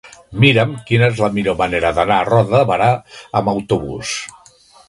Mira'm quina és la millor manera d'anar a Roda de Berà amb autobús.